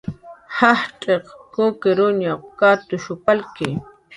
Jajch'iq kukiqkunw katush palki.